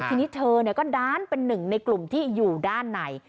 ทีนี้เธอก็ด้านเป็นหนึ่งในกลุ่มที่อยู่ด้านใน